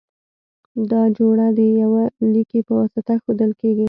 دا جوړه د یوه لیکي په واسطه ښودل کیږی.